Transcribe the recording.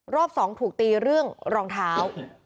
รอบสองถูกตีเรื่องรองเท้า